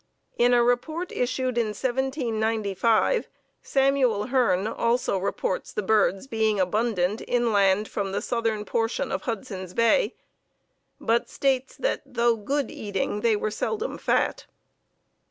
In a report issued in 1795, Samuel Hearne also reports the birds being abundant inland from the southern portion of Hudson's Bay, but states that, though good eating, they were seldom fat.